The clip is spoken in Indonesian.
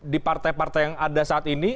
di partai partai yang ada saat ini